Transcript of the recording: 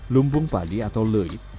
lumbung padi atau leit